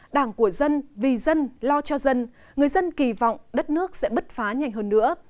đảng của dân vì dân lo cho dân người dân kỳ vọng đất nước sẽ bứt phá nhanh hơn nữa